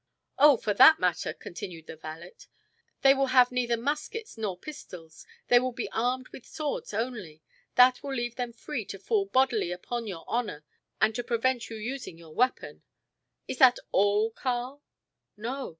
"Oh, for that matter," continued the valet, "they will have neither muskets nor pistols. They will be armed with swords only. That will leave them free to fall bodily upon your honor and to prevent you using your weapon." "Is that all, Karl?" "No.